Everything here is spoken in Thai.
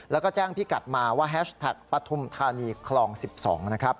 แล้วก็แจ้งพี่กัดมาว่าแฮชแท็กปฐุมธานีคลอง๑๒นะครับ